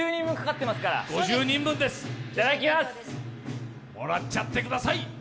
もらっちゃってください。